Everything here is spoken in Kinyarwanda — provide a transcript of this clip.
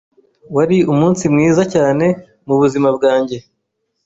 Wari umunsi mwiza cyane mubuzima bwanjye.